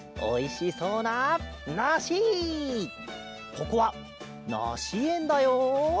ここはなしえんだよ。